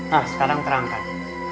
nah sekarang terangkan